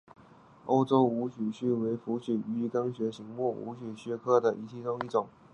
欧洲无须鳕为辐鳍鱼纲鳕形目无须鳕科的其中一种。